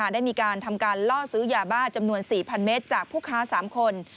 ได้มีการทำการล่อซื้อยาบ้าจำนวน๔๐๐เมตรจากผู้ค้า๓คน